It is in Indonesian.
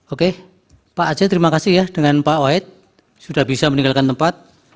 oke pak aceh terima kasih ya dengan pak waid sudah bisa meninggalkan tempat